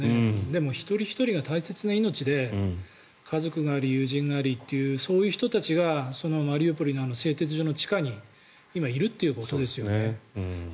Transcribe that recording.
でも、一人ひとりが大切な命で家族があり友人がありとそういう人たちがマリウポリの製鉄所の地下に今、いるということですよね。